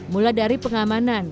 mulai dari pengamanan